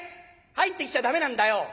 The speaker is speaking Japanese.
入ってきちゃ駄目なんだよ。